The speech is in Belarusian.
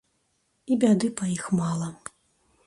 І бяды па іх мала.